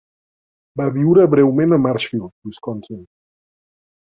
Va viure breument a Marshfield (Wisconsin).